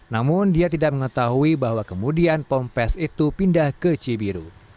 namun dia tidak mengetahui bahwa kemudian pompes itu pindah ke cibiru